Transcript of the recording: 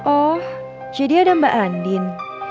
oh jadi ada mbak andin